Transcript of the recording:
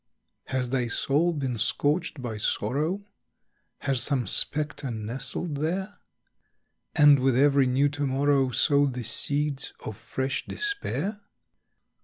Has thy soul been scorched by sorrow, Has some spectre nestled there? And with every new to morrow, Sowed the seeds of fresh despair?